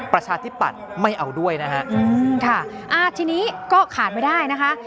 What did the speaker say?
ประชาธิปัตย์ไม่เอาด้วยนะฮะค่ะอ่าทีนี้ก็ขาดไม่ได้นะคะ